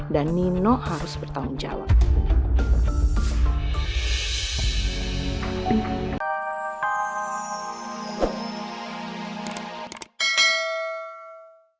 dan nino harus bertanggung jawab